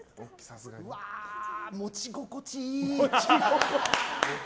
持ち心地いい。